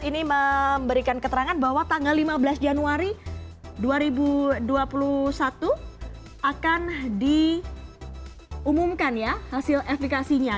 ini memberikan keterangan bahwa tanggal lima belas januari dua ribu dua puluh satu akan diumumkan ya hasil efekasinya